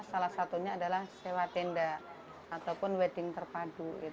salah satunya adalah sewa tenda ataupun wedding terpadu